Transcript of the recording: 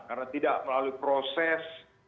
karena tidak melalui proses